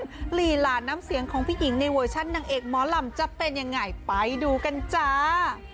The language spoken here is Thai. หลีลาน้ำเสียงของพี่หญิงในเวอร์ชันนางเอกหมอลำจะเป็นยังไงไปดูกันจ้า